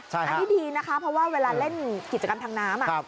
อันนี้ดีนะคะเพราะว่าเวลาเล่นกิจกรรมทางน้ำ